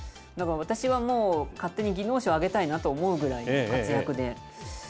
だから、私がもう、勝手に技能賞をあげたいなと思うくらいの活躍で。